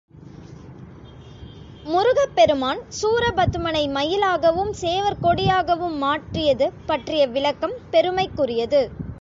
முருகப்பெருமான் சூரபதுமனை மயிலாகவும், சேவற்கொடியாகவும் மாற்றியது பற்றிய விளக்கம் பெருமைக்குரியது.